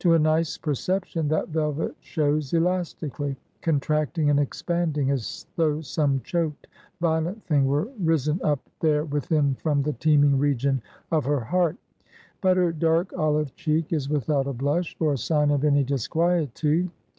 To a nice perception, that velvet shows elastically; contracting and expanding, as though some choked, violent thing were risen up there within from the teeming region of her heart. But her dark, olive cheek is without a blush, or sign of any disquietude.